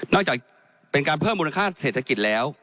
จากเป็นการเพิ่มมูลค่าเศรษฐกิจแล้ว